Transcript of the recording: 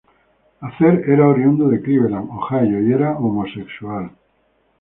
Acer era oriundo de Cleveland, Ohio y era homosexual.